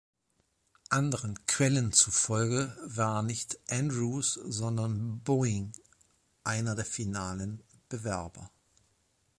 Anderen Quellen zufolge war nicht Andrews, sondern Boeing einer der finalen Bewerber.